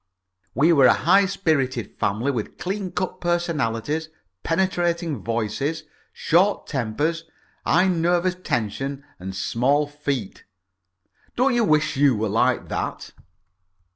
We were a high spirited family with clean cut personalities, penetrating voices, short tempers, high nervous tension, and small feet. Don't you wish you were like that?